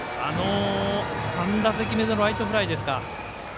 ３打席目のライトフライですか。